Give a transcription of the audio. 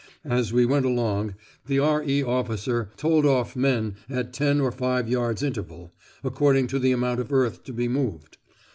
As we went along, the R.E. officer told off men at ten or five yards' interval, according to the amount of earth to be moved.